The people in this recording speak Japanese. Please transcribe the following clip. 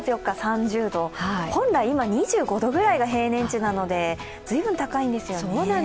本来今、２５度ぐらいが平年値なので随分高いんですよね。